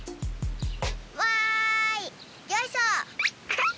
わいよいしょ！